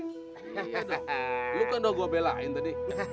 iya dong lu kan udah gue belain tadi